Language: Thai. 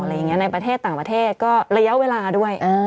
อะไรอย่างนี้ในประเทศต่างประเทศก็ระยะเวลาด้วย